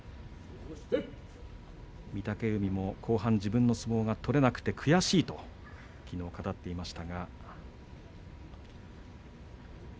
御嶽海も後半、自分の相撲が取れなくて悔しいときのう語っていました。